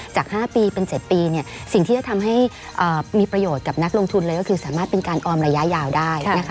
จาก๕ปีเป็น๗ปีสิ่งที่จะทำให้มีประโยชน์กับนักลงทุนเลยก็คือสามารถเป็นการออมระยะยาวได้นะคะ